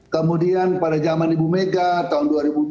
kemudian pada zaman ibu mega tahun dua ribu dua belas